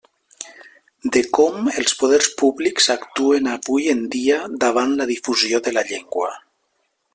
De com els “poders públics” actuen avui en dia davant la difusió de la llengua.